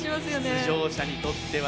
出場者にとっては。